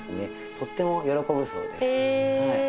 とっても喜ぶそうです。え！